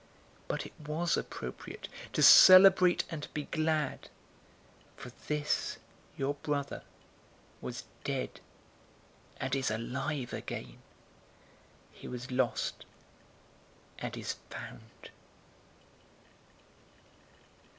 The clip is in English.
015:032 But it was appropriate to celebrate and be glad, for this, your brother, was dead, and is alive again. He was lost, and is found.'"